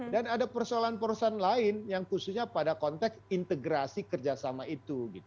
dan ada persoalan persoalan lain yang khususnya pada konteks integrasi kerjasama itu